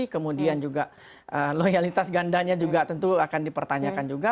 kemudian juga loyalitas gandanya juga tentu akan dipertanyakan juga